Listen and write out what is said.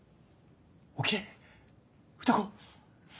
起きれ歌子。